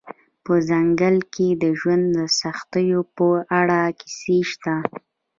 په ځنګل کې د ژوند سختیو په اړه کیسې شته